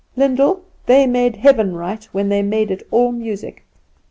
Lyndall, they made heaven right when they made it all music.